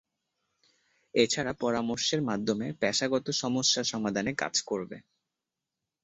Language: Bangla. এ ছাড়া পরামর্শের মাধ্যমে পেশাগত সমস্যা সমাধানে কাজ করবে।